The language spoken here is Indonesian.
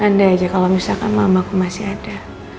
ada aja kalau misalkan mamaku masih ada